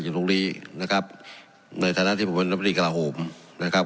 อย่างตรงนี้นะครับในฐานะที่ผมเป็นนักบริการโหมนะครับ